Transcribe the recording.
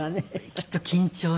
きっと緊張をして。